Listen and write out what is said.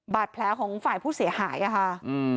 บาดแผลของฝ่ายผู้เสียหายอะค่ะ